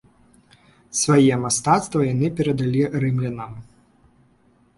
Сваё мастацтва яны перадалі рымлянам.